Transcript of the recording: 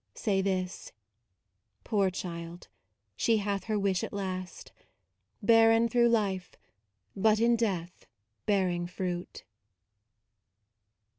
Say this : Poor child, she hath her wish at last; Barren through life, but in death bearing fruit.